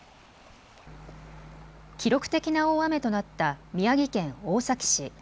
記録的な大雨となった宮城県大崎市。